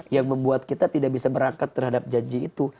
yang membuat kita tidak bisa berangkat terhadap janji itu